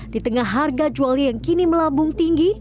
di tengah harga jualnya yang kini melambung tinggi